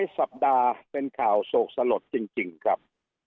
สัปดาห์เป็นข่าวโศกสลดจริงครับ